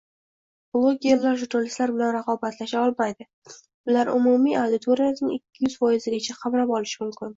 Bloggerlar jurnalistlar bilan raqobatlasha olmaydi! Ular umumiy auditoriyaning ikki yuz foizigacha qamrab olishi mumkin